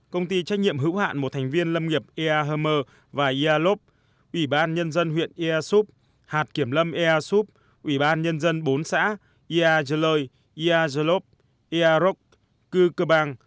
công ty trách nhiệm hữu hạn một thành viên lâm nghiệp ea hơ mơ và ea lốp ubnd huyện ea súp hạt kiểm lâm ea súp ubnd bốn xã ea dơ lơi ea dơ lốp ea rốc cư cơ bang